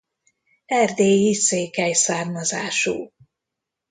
Erdélyi székely származású.